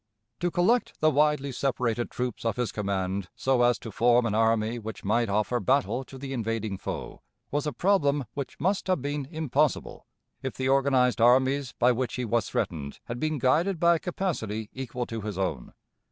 To collect the widely separated troops of his command so as to form an army which might offer battle to the invading foe was a problem which must have been impossible, if the organized armies by which he was threatened had been guided by a capacity equal to his own.